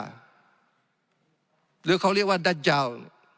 หรือเขาเรียกว่าด้านยาว